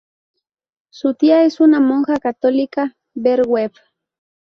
Su tía es una monja católica ver web.